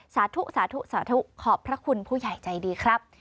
สาธุสาธุสาธุขอบพระคุณผู้ใหญ่ใจดีครับ